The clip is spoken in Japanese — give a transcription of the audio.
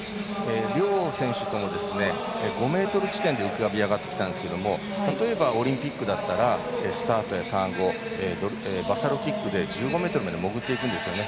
両選手とも５ｍ地点で浮かび上がってきたんですが例えばオリンピックだったらスタートやターン後バサロキックで１５ｍまで潜っていくんですね。